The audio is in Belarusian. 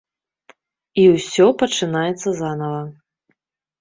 І ўсё пачынаецца занава.